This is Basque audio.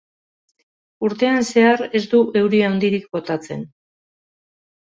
Urtean zehar ez du euri handirik botatzen.